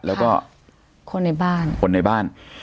แล้วก็คนในบ้าน